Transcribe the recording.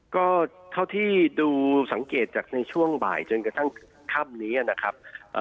ก็เท่าที่ดูสังเกตจากในช่วงบ่ายจนกระทั่งค่ำนี้นะครับ